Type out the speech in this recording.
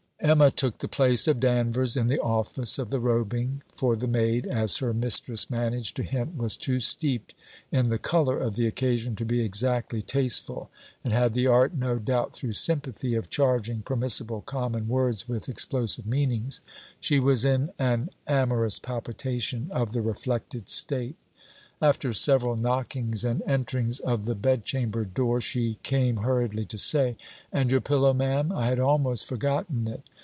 Emma took the place of Danvers in the office of the robing, for the maid, as her mistress managed to hint, was too steeped 'in the colour of the occasion' to be exactly tasteful, and had the art, no doubt through sympathy, of charging permissible common words with explosive meanings: she was in an amorous palpitation, of the reflected state. After several knockings and enterings of the bedchamber door, she came hurriedly to say: 'And your pillow, ma'am? I had almost forgotten it!'